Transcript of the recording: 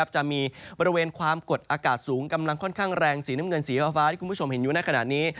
จะมีบริเวณความกดอากาศสูงกำลังค่อนข้างแรงสีน้ำเงินสีฟ้าที่คุณผู้ชมเห็นอยู่ในขณะนี้